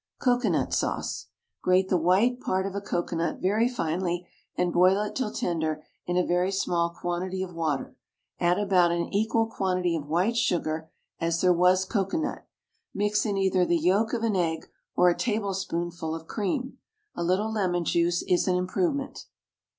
COCOANUT SAUCE. Grate the white, part of a cocoanut very finely, and boil it till tender in a very small quantity of water; add about an equal quantity of white sugar as there was cocoa nut; mix in either the yolk of an egg or a tablespoonful of cream. A little lemon juice is an improvement.